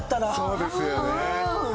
そうですよね。